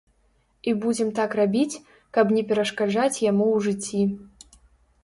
І будзем так рабіць, каб не перашкаджаць яму ў жыцці.